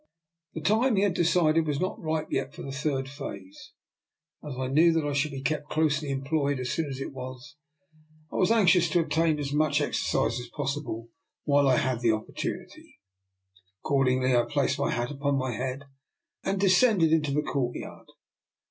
The time, he had decided, was not ripe yet for the third phase; and as I knew that I should be kept closely employed as soon as it was, I was anxious to obtain as much exercise as possible while I had the op portunity. Accordingly, I placed my hat upon my head and descended to the court yard.